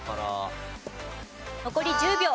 残り１０秒。